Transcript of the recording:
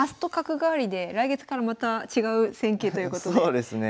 そうですね。